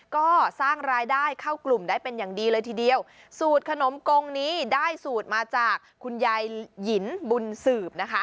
ก็สร้างรายได้เข้ากลุ่มได้เป็นอย่างดีเลยทีเดียวสูตรขนมกงนี้ได้สูตรมาจากคุณยายหยินบุญสืบนะคะ